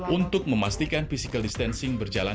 untuk memastikan physical distancing berjalan diseluruh negara